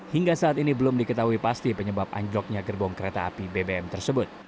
hingga saat ini belum diketahui pasti penyebab anjloknya gerbong kereta api bbm tersebut